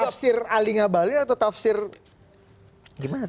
tafsir alinga balin atau tafsir gimana tuh